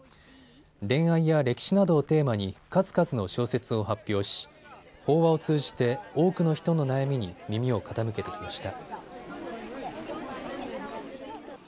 恋愛や歴史などをテーマに数々の小説を発表し法話を通じて多くの人の悩みに耳を傾けてきました。